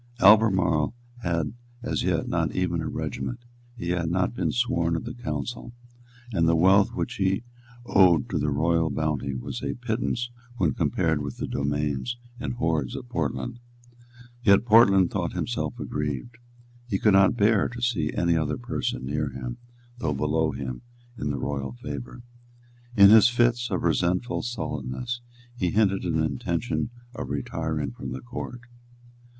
Albemarle had as yet not even a regiment; he had not been sworn of the Council; and the wealth which he owed to the royal bounty was a pittance when compared with the domains and the hoards of Portland. Yet Portland thought himself aggrieved. He could not bear to see any other person near him, though below him, in the royal favour. In his fits of resentful sullenness, he hinted an intention of retiring from the Court.